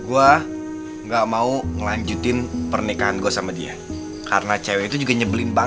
wah keliatannya kita udah ke siangan nih dinda